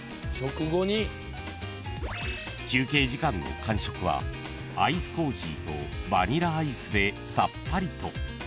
［休憩時間の間食はアイスコーヒーとバニラアイスでさっぱりと］